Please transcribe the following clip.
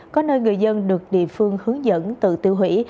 có nơi người dân được địa phương hướng dẫn tự tiêu hủy